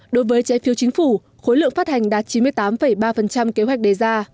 đối với trái phiếu chính phủ khối lượng phát hành đạt chín mươi tám ba kế hoạch đề ra